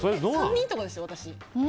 ３人とかですよ、私。